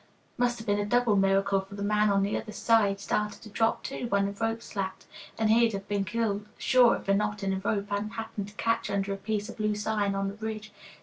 ] "Must have been a double miracle, for the man on the other side started to drop, too, when the rope slacked, and he'd have been killed sure if a knot in the rope hadn't happened to catch under a piece of loose iron on the ridge.